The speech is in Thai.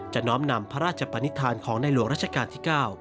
น้อมนำพระราชปนิษฐานของในหลวงรัชกาลที่๙